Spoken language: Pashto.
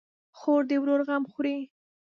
خور د ورور غم خوري.